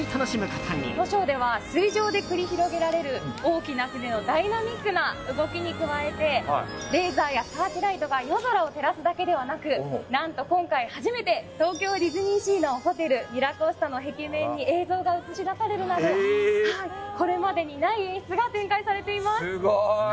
このショーでは水上で繰り広げられる船のダイナミックな動きに加えてレーザーやサーチライトが夜空を照らすだけではなく今回初めて東京ディズニーリゾートのホテルミラコスタの壁面に映像が映し出されるなどこれまでにない演出が展開されています。